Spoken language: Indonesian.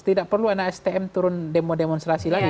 tidak perlu nakstm turun demo demonstrasi lagi